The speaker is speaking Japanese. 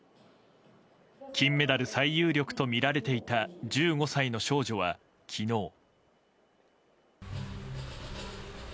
金メダル最有力とみられていた１５歳の少女は昨日。